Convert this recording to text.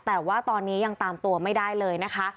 แต่ว่าตอนนี้ยังตามตัวไม่ได้เลยนะคะ